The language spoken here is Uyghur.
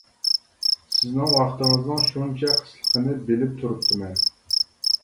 سىزنىڭ ۋاقتىڭىزنىڭ شۇنچە قىسلىقىنى بىلىپ تۇرۇپتىمەن.